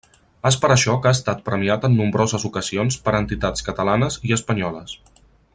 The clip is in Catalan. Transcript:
És per això que ha estat premiat en nombroses ocasions per entitats catalanes i espanyoles.